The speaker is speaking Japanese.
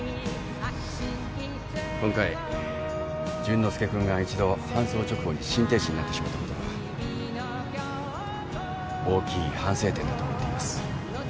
今回淳之介君が一度搬送直後に心停止になってしまったことは大きい反省点だと思っています。